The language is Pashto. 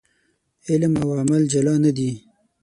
علم او عمل جلا نه دي.